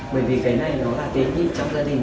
bởi vì cái này nó là tín nhị trong gia đình